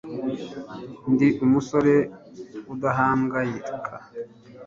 ndi umusore udahangayika